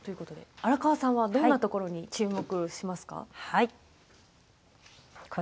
荒川さんはどんなところに注目しますか？